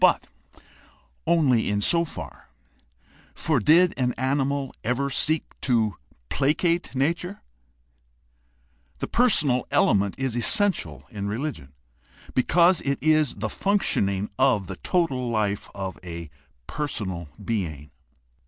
But only in so far; for did an animal ever seek to placate nature ? The personal element is essential in religion, because it is the functioning of the total life of a personal being.